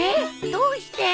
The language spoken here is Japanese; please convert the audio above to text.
どうして？